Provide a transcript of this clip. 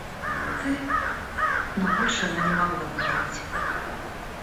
Ты... — но больше она не могла говорить.